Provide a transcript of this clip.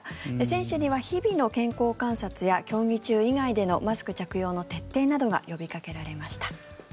選手には日々の健康観察や競技中以外でのマスク着用の徹底などが呼びかけられました。